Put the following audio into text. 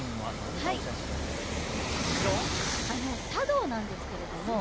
茶道なんですけれども。